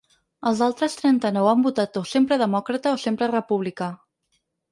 Els altres trenta-nou han votat o sempre demòcrata o sempre republicà.